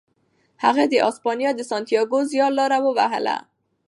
هغه د اسپانیا د سانتیاګو زیارلاره ووهله.